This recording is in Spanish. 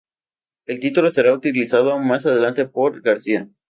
El título sería utilizado más adelante por García.